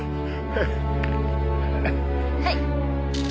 はい。